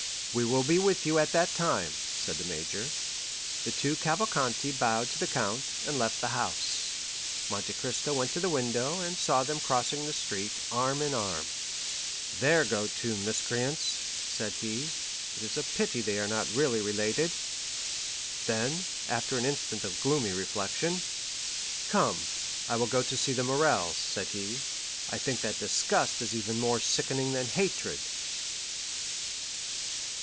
"We will be with you at that time," said the major. The two Cavalcanti bowed to the count, and left the house. Monte Cristo went to the window, and saw them crossing the street, arm in arm. "There go two miscreants;" said he, "it is a pity they are not really related!" Then, after an instant of gloomy reflection, "Come, I will go to see the Morrels," said he; "I think that disgust is even more sickening than hatred."